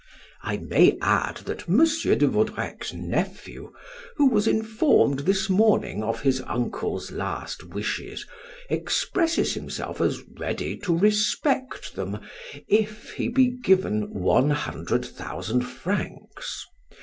I may add that M. de Vaudrec's nephew, who was informed this morning of his uncle's last wishes, expresses himself as ready to respect them if he be given one hundred thousand francs.